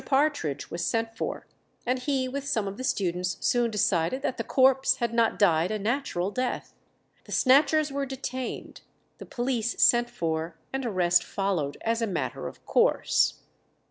Partridge was sent for, and he with some of the students soon decided that the corpse had not died a natural death. The snatchers were detained, the police sent for, and arrest followed as a matter of course.